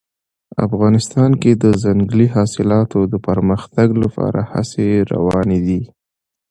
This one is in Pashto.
افغانستان کې د ځنګلي حاصلاتو د پرمختګ لپاره هڅې روانې دي.